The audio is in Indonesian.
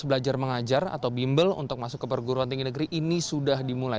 belajar mengajar atau bimbel untuk masuk ke perguruan tinggi negeri ini sudah dimulai